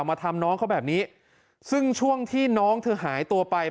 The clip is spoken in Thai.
มาทำน้องเขาแบบนี้ซึ่งช่วงที่น้องเธอหายตัวไป